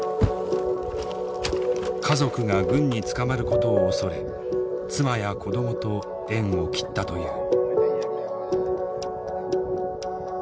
家族が軍に捕まることを恐れ妻や子供と縁を切ったという。